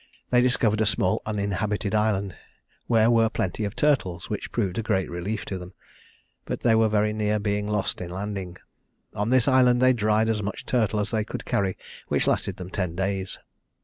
they discovered a small uninhabited island, where were plenty of turtles, which proved a great relief to them; but they were very near being lost in landing. On this island they dried as much turtle as they could carry, which lasted them ten days.